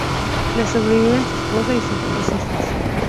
Le sobreviven su esposa y dos hijas.